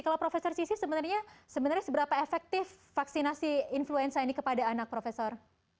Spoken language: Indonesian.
kalau profesor sisi sebenarnya seberapa efektif vaksinasi influenza ini kepada anak profesor